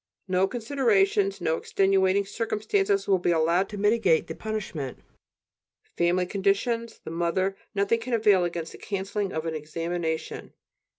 No considerations, no extenuating circumstances will be allowed to mitigate the punishment. Family conditions, the mother ... nothing can avail against the canceling of an examination.